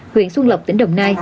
huyện xuân lộc tỉnh đồng nai